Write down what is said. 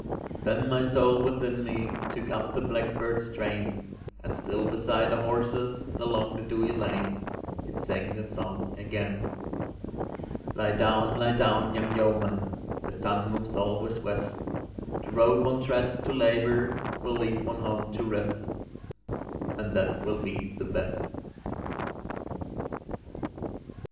Then my soul within me Took up the blackbird's strain, And still beside the horses Along the dewy lane It Sang the song again: "Lie down, lie down, young yeoman; The sun moves always west; The road one treads to labour Will lead one home to rest, And that will be the best."